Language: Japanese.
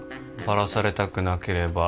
「バラされたくなければ」